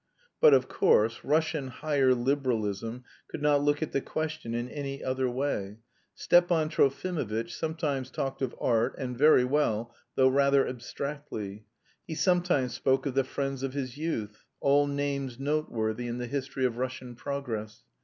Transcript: But, of course, "Russian higher liberalism" could not look at the question in any other way. Stepan Trofimovitch sometimes talked of art, and very well, though rather abstractly. He sometimes spoke of the friends of his youth all names noteworthy in the history of Russian progress.